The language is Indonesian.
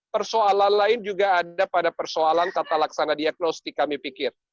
persoalan lain juga ada pada persoalan tata laksana diagnostik kami pikir